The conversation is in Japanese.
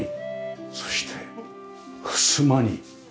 そしてふすまにこれは？